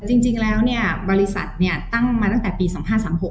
จริงแล้วบริษัทตั้งมาตั้งแต่ปี๒๕๓๖นะคะ